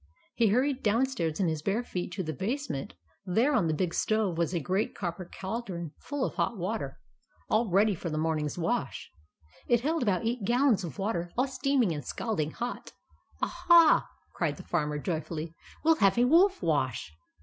He hurried downstairs in his bare feet to the base ment. There, on the big stove, was a great copper cauldron full of hot water, all ready 154 THE ADVENTURES OF MABEL for the morning's wash. It held about eight gallons of water, all steaming and scalding hot. " Aha !" cried the Farmer, joyfully. "We'll have a wolf wash!"